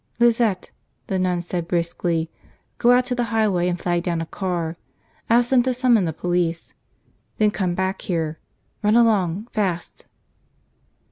"Lizette," the nun said briskly, "go out to the highway and flag down a car. Ask them to summon the police. Then come back here. Run along, fast."